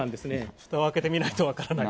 ふたを開けてみないと分からない。